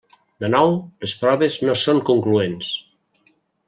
De nou, les proves no són concloents.